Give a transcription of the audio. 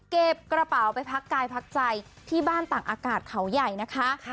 กระเป๋าไปพักกายพักใจที่บ้านต่างอากาศเขาใหญ่นะคะ